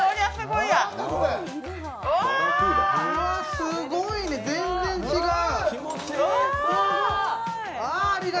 すごいね、全然違う。